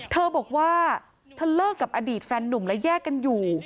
เธอบอกว่าเธอเลิกกับอดีตแฟนหนุ่มและแยกกันอยู่